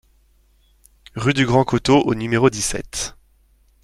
Rue du Grand Coteau au numéro dix-sept